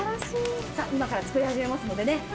今から作り始めますのでね